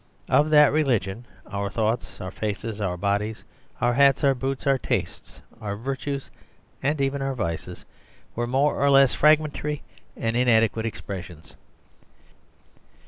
Of that religion our thoughts, our faces, our bodies, our hats, our boots, our tastes, our virtues, and even our vices, were more or less fragmentary and inadequate expressions.